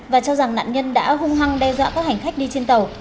và cho rằng nạn nhân đã hung hăng đe dọa các hành khách đi trên tàu